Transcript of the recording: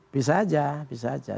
bisa aja bisa aja